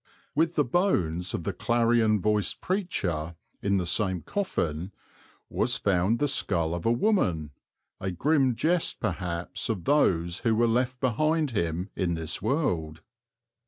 With the bones of the clarion voiced preacher, in the same coffin, was found the skull of a woman, a grim jest perhaps of those who were left behind him in this world.